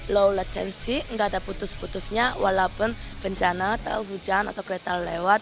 low latensi nggak ada putus putusnya walaupun bencana atau hujan atau kereta lewat